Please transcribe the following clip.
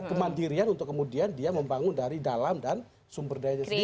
kemandirian untuk kemudian dia membangun dari dalam dan sumber dayanya sendiri